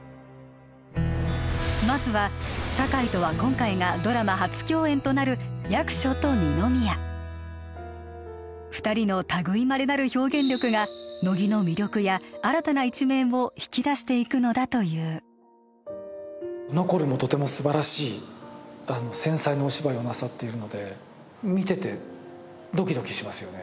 まずは堺とは今回がドラマ初共演となる役所と二宮二人の類いまれなる表現力が乃木の魅力や新たな一面を引き出していくのだというノコルもとてもすばらしい繊細なお芝居をなさっているので見ててドキドキしますよね